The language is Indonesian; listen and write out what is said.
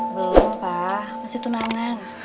belum pak masih tunangan